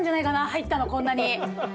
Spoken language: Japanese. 入ったのこんなに！